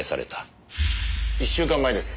１週間前です。